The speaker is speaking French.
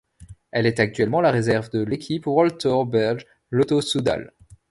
Elle est actuellement la réserve de l'équipe World Tour belge Lotto-Soudal.